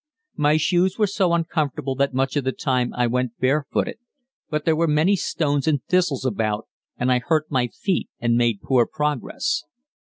My shoes were so uncomfortable that much of the time I went barefooted, but there were many stones and thistles about and I hurt my feet and made poor progress.